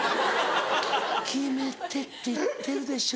「決めてって言ってるでしょ」